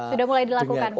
sudah mulai dilakukan pak